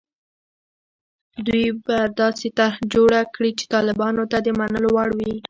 دوی به داسې طرح جوړه کړي چې طالبانو ته د منلو وړ وي.